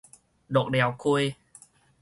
鹿寮溪